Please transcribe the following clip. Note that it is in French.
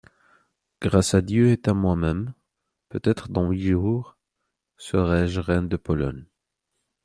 Grâce à Dieu et à moi-même, peut-être dans huit jours serai-je reine de Pologne.